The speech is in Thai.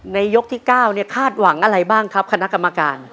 ยกที่๙เนี่ยคาดหวังอะไรบ้างครับคณะกรรมการ